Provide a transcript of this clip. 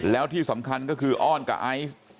แล้วที่สำคัญก็คืออ้อนกับไอซ์